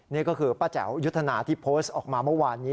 นี่ก็คือป้าแจ๋วยุทธนาที่โพสต์ออกมาเมื่อวานนี้